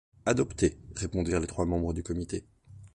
Adopté, répondirent les trois membres du Comité.